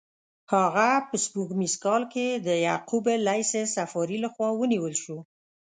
هغه په سپوږمیز کال کې د یعقوب لیث صفاري له خوا ونیول شو.